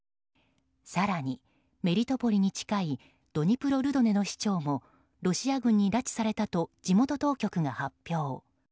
更にメリトポリに近いドニプロルドネの市長もロシア軍に拉致されたと地元当局が発表。